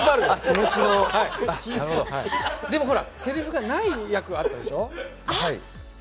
でも、ほらせりふがない役があったでしょう？